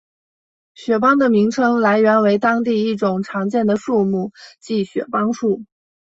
雪邦的名称来源为当地一种常见的树木即雪邦树。